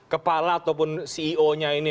kepala ataupun ceo nya ini